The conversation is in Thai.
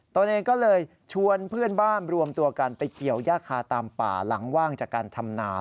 ตัวเองก็เลยชวนเพื่อนบ้านรวมตัวกันไปเกี่ยวย่าคาตามป่าหลังว่างจากการทำนา